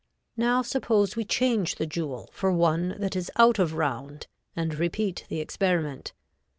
Now suppose we change the jewel for one that is out of round and repeat the experiment.